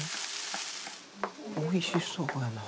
おいしそうやな。